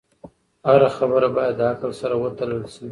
هره خبره باید له عقل سره وتلل شي.